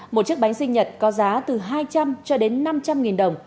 một chiếc bánh sinh nhật có giá từ hai trăm linh cho đến năm trăm linh nghìn đồng